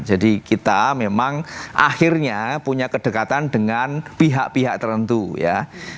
jadi kita memang akhirnya punya kedekatan dengan pihak pihak tertentu ya